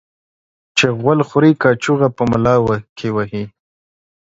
چي غول خوري ، کاچوغه په ملا کې وهي.